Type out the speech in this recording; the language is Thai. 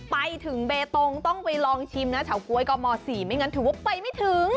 ไปถึงเบตงต้องไปลองชิมนะเฉาก๊วยก็ม๔ไม่งั้นถือว่าไปไม่ถึง